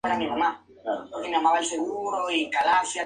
El uso de los orbitales "p" forma un enlace pi.